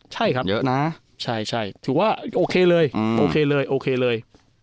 ใช่ครับเยอะนะใช่ถือว่าโอเคเลยโอเคเลยโอเคเลย